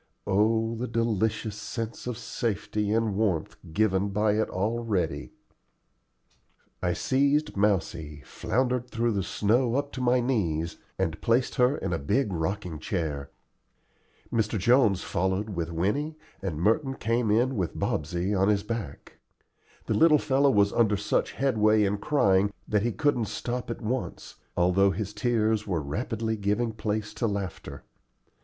Oh the delicious sense of safety and warmth given by it already! I seized Mousie, floundered through the snow up to my knees, and placed her in a big rocking chair. Mr. Jones followed with Winnie, and Merton came in with Bobsey on his back. The little fellow was under such headway in crying that he couldn't stop at once, although his tears were rapidly giving place to laughter.